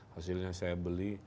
hasilnya saya beli